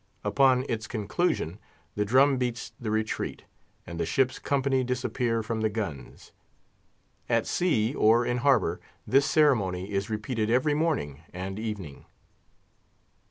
Upon its conclusion, the drum beats the retreat, and the ship's company disappear from the guns. At sea or in harbour, this ceremony is repeated every morning and evening.